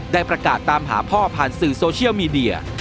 ได้ประกาศตามหาพ่อผ่านสื่อโซเชียลมีเดีย